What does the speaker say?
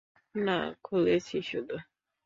না, খুলেছি শুধু।